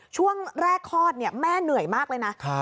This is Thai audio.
ช่วงแรกคลอดแม่เหนื่อยมากเลยนะ